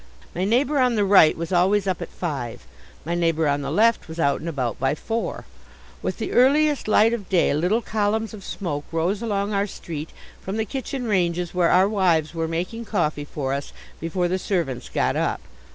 My neighbour on the right was always up at five. My neighbour on the left was out and about by four. With the earliest light of day, little columns of smoke rose along our street from the kitchen ranges where our wives were making coffee for us before the servants got up.